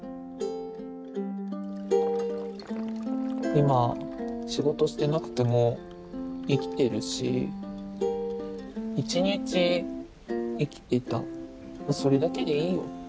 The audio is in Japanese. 今仕事してなくても生きてるし一日生きてたそれだけでいいよって。